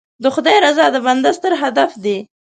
د خدای رضا د بنده ستر هدف دی.